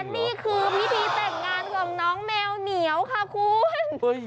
นี่คือพิธีแต่งงานของน้องแมวเหนียวค่ะคุณ